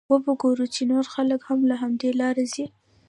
وبه ګورې چې نور خلک هم له همدې لارې ځي.